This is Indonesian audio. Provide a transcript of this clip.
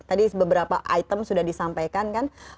tadi beberapa item sudah disampaikan kan